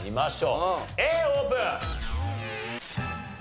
Ａオープン！